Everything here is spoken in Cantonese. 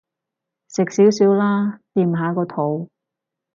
食少少啦，墊下個肚